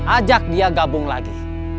ajak dia gabung lagi